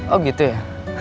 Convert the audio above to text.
oh gitu ya